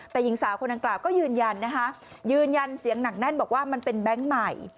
แต่หญิงสาวคนดังกล่าวก็ยืนยันนะคะยืนยันเสียงหนักแน่นบอกว่ามันเป็นแบงค์ใหม่